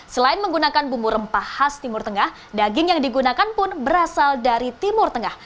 selain menggunakan bumbu rempah khas timur tengah daging yang digunakan pun berasal dari timur tengah